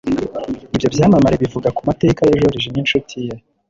Ibyo byamamare Bivuga ku mateka ya Joriji Ninshuti ye